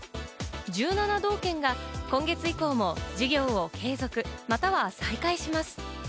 １７道県が今月以降も、事業を継続または再開します。